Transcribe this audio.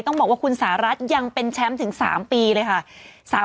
ต้องบอกว่าคุณสหรัฐยังเป็นแชมป์ถึง๓ปีเลยค่ะ